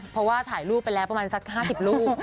เพราะว่าถ่ายรูปไปแล้วประมาณสัก๕๐รูป